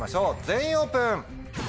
全員オープン！